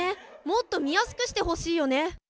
もっと見やすくしてほしいよね。